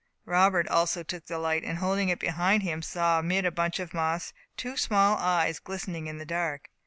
Robert also took the light, and holding it behind him, saw amid a bunch of moss two small eyes glistening in the dark.